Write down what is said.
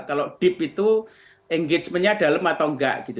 kalau deep itu engagementnya dalam atau enggak gitu